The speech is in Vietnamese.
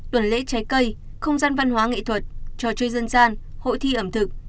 tuần lễ trái cây không gian văn hóa nghệ thuật trò chơi dân gian hội thi ẩm thực